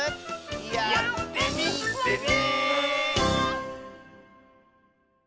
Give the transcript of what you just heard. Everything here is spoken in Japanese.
やってみてね！